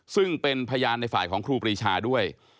ซึ่งเป็นพยานในฝ่ายของครูปรีชาด้วย